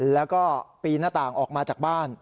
แล้วก็ปีนหน้าต่างออกมาจากบ้าน